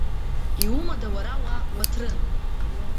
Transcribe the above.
Иумада уара уа Уаҭрын?